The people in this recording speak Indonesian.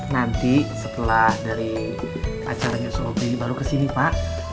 nanti setelah dari acara yosobri baru kesini pak